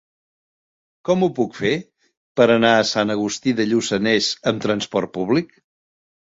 Com ho puc fer per anar a Sant Agustí de Lluçanès amb trasport públic?